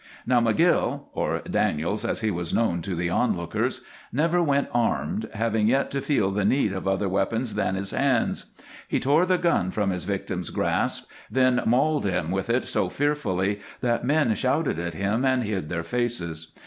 Now McGill or Daniels, as he was known to the onlookers never went armed, having yet to feel the need of other weapons than his hands. He tore the gun from his victim's grasp, then mauled him with it so fearfully that men shouted at him and hid their faces.